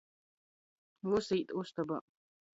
Vysi īt ustobā.